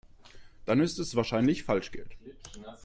Dann ist es wahrscheinlich Falschgeld.